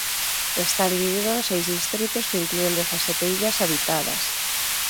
Está dividido en seis distritos que inclúen dezasete illas habitadas.